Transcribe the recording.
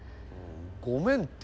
ごめんて。